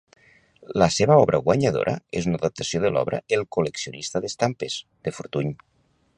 La seva obra guanyadora és una adaptació de l'obra "El col·leccionista d'estampes", de Fortuny.